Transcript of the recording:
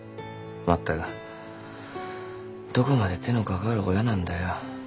まったくどこまで手のかかる親なんだよ。